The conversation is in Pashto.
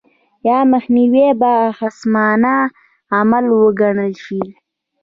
یا مخنیوی به خصمانه عمل وګڼل شي.